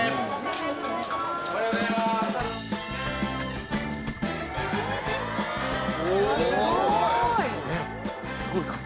すごい数。